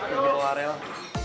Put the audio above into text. itu adalah area lah